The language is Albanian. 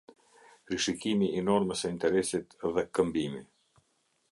Rishikimi i normës se interesit dhe Këmbimi.